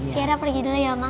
tiara pergi dulu ya mas